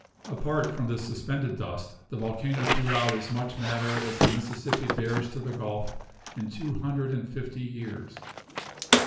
Apart from this suspended dust, the volcano threw out as much matter as the Mississippi bears to the gulf in two hundred and fifty years.